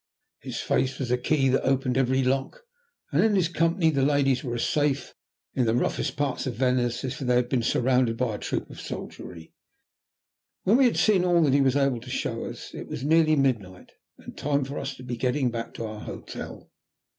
His face was a key that opened every lock, and in his company the ladies were as safe, in the roughest parts of Venice, as if they had been surrounded by a troop of soldiery. When we had seen all that he was able to show us it was nearly midnight, and time for us to be getting back to our hotel.